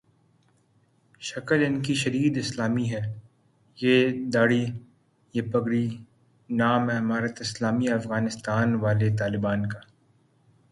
شکل انکی شدید اسلامی ہے ، یہ دھاڑی ، یہ پگڑی ، نام امارت اسلامیہ افغانستان والے طالبان کا ۔